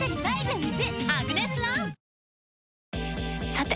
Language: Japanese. さて！